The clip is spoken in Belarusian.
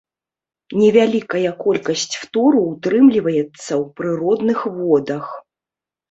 Невялікая колькасць фтору ўтрымліваецца ў прыродных водах.